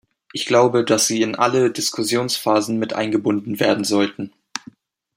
Ich glaube, dass sie in alle Diskussionsphasen miteingebunden werden sollten.